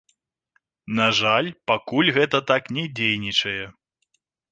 На жаль, пакуль гэта так не дзейнічае.